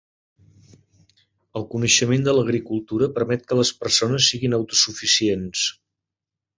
El coneixement de l'agricultura permet que les persones siguin autosuficients.